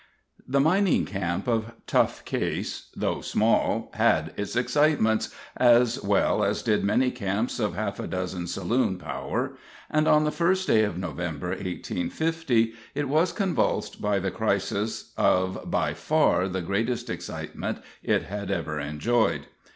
The mining camp of Tough Case, though small, had its excitements, as well as did many camps of half a dozen saloon power; and on the first day of November, 1850, it was convulsed by the crisis of by far the greatest excitement it had ever enjoyed.